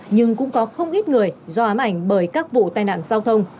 nhưng cũng có không ít người do ám ảnh bởi các vụ tai nạn giao thông